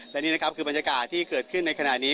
และนี่นะครับคือบรรยากาศที่เกิดขึ้นในขณะนี้